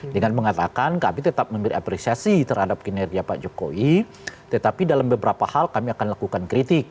dengan mengatakan kami tetap memberi apresiasi terhadap kinerja pak jokowi tetapi dalam beberapa hal kami akan lakukan kritik